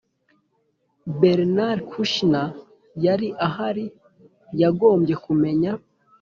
bernard kouchner yari ahari! yagombye kumenya